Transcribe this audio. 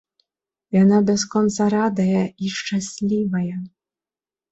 Яна бясконца радая і шчаслівая.